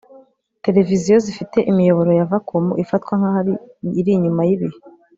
televiziyo zifite imiyoboro ya vacuum ifatwa nkaho iri inyuma yibihe